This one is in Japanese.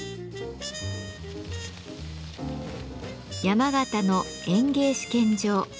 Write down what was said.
山形の園芸試験場。